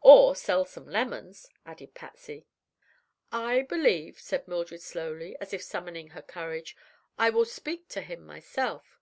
"Or sell some lemons," added Patsy. "I believe," said Mildred slowly, as if summoning her courage, "I will speak to him myself.